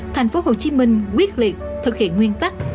tp hcm quyết liệt thực hiện nguyên tắc